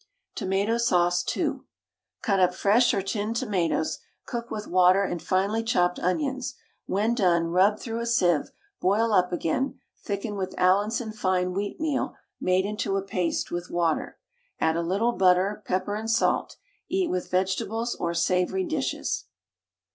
TOMATO SAUCE (2). Cut up fresh or tinned tomatoes, cook with water and finely chopped onions; when done rub through a sieve, boil up again, thicken with Allinson fine wheatmeal made into a paste with water. Add a little butter, pepper, and salt. Eat with vegetables or savoury dishes.